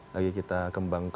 lagi kita berbicara tentang itu